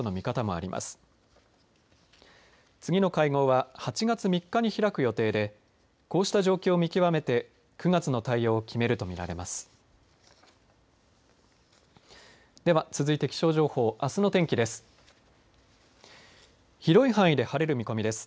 次の会合は８月３日に開く予定でこうした状況を見極めて９月の対応を決めると見られます。